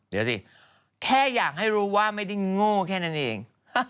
เดี๋ยวสิแค่อยากให้รู้ว่าไม่ได้โง่แค่นั้นเอง